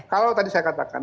kalau tadi saya katakan